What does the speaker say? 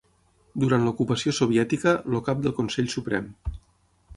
Durant l'ocupació soviètica, el Cap del Consell Suprem.